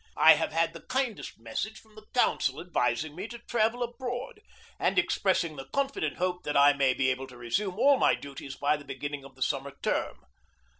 I have had the kindest message from the council advising me to travel abroad, and expressing the confident hope that I may be able to resume all my duties by the beginning of the summer term.